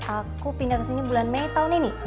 aku pindah ke sini bulan mei tahun ini